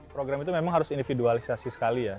program itu memang harus individualisasi sekali ya